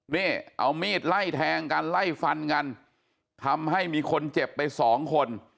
นี่เอามีดไล่แทงกันไล่ฟันกันทำให้มีคนเจ็บไปสองคน